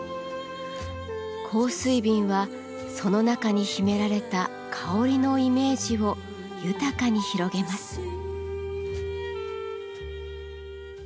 香水瓶はその中に秘められた香りのイメージを豊かに広げます。